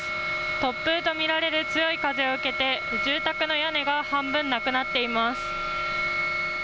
突風と見られる強い風を受けて住宅の屋根が半分なくなっています。